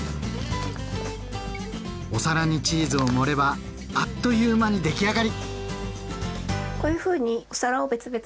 お皿にチーズを盛ればあっという間に出来上がり！